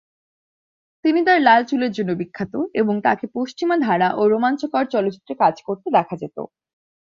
তিনি তার লাল চুলের জন্য বিখ্যাত এবং তাকে পশ্চিমা ধারা ও রোমাঞ্চকর চলচ্চিত্রে কাজ করতে দেখা যেত।